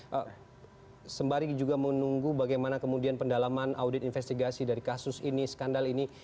pak sembari juga menunggu bagaimana kemudian pendalaman audit investigasi dari kasus ini skandal ini